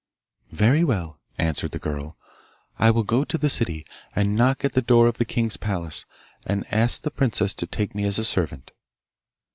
'Very well,' answered the girl, 'I will go to the city, and knock at the door of the king's palace, and ask the princess to take me as a servant.